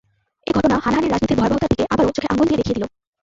এ ঘটনা হানাহানির রাজনীতির ভয়াবহতার দিকে আবারও চোখে আঙুল দিয়ে দেখিয়ে দিল।